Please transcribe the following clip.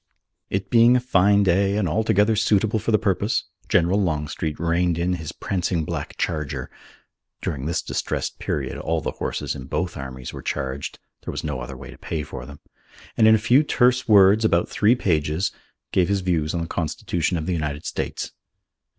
It being a fine day and altogether suitable for the purpose, General Longstreet reined in his prancing black charger (during this distressed period all the horses in both armies were charged: there was no other way to pay for them), and in a few terse words, about three pages, gave his views on the Constitution of the United States.